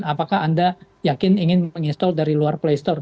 apakah anda yakin ingin menginstal dari luar playstore